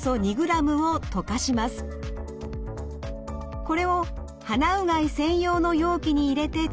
これを鼻うがい専用の容器に入れて使います。